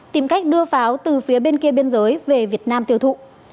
tìm cách đưa pháo từ phía bên kia biên giới về việt nam tiêu thụ